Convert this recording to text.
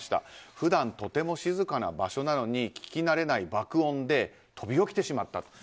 普段とても静かな場所なのに聞き慣れない爆音で飛び起きてしまったと。